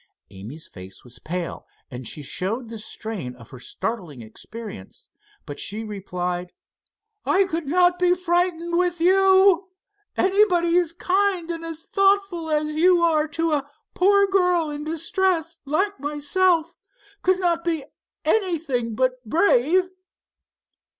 Amy's face was pale, and she showed the strain of her startling experience, but she replied: "I could not be frightened with you. Anybody as kind and thoughtful as you are to a poor girl in distress like myself, could not be anything but brave."